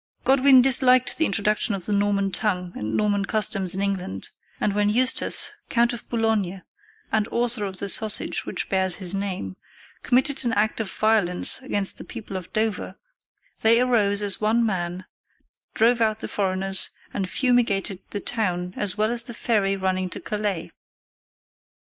] Godwin disliked the introduction of the Norman tongue and Norman customs in England, and when Eustace, Count of Boulogne and author of the sausage which bears his name, committed an act of violence against the people of Dover, they arose as one man, drove out the foreigners, and fumigated the town as well as the ferry running to Calais.